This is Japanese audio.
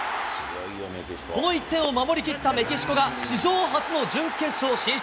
この１点を守りきったメキシコが、史上初の準決勝進出。